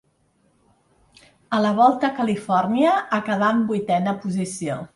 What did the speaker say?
A la Volta a Califòrnia acabà en vuitena posició.